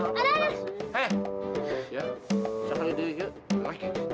kasih gue mah ini ada yang ngelip